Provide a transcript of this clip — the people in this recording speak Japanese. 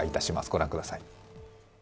ご覧ください。